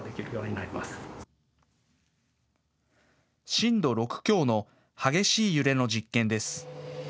震度６強の激しい揺れの実験です。